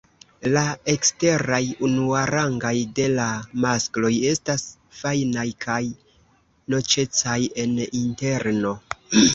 La eksteraj unuarangaj de la maskloj estas fajnaj kaj noĉecaj en interno.